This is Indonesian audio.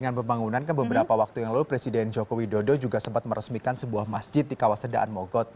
dengan pembangunan kan beberapa waktu yang lalu presiden joko widodo juga sempat meresmikan sebuah masjid di kawasan daan mogot